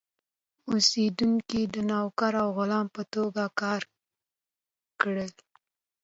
اوسېدونکي د نوکر او غلام په توګه کار کړل.